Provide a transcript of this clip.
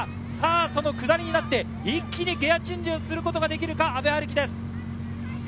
その下りになって一気にギアチェンジすることができるか、阿部陽樹です。